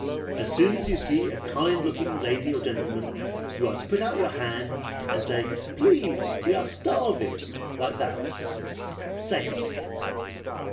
As soon as you see a kind looking lady or gentleman, you are to put out your hand, and say, 'Please, we are starving,' like that. Say it!"